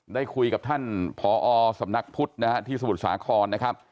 ได้คุยกับท่านผอสำนักพุทธนะฮะที่สมุทรสาครนะครับ